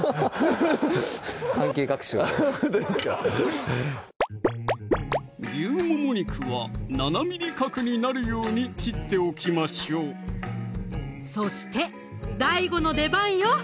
関係各所あっほんとですか牛もも肉は７ｍｍ角になるように切っておきましょうそしてＤＡＩＧＯの出番よ！